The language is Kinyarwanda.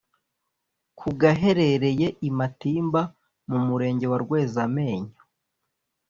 Ku gaherereye i Matimba mu Murenge wa Rwezamenyo